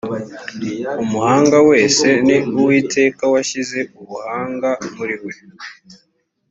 umuhanga wese ni uwiteka washyize ubuhanga muri we